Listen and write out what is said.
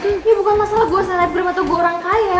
ini bukan masalah gue selebgram atau gue orang kaya